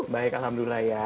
baik alhamdulillah ya